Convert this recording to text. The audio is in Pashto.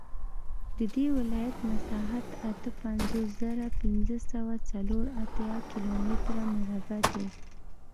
د دې ولایت مساحت اته پنځوس زره پنځه سوه څلور اتیا کیلومتره مربع دی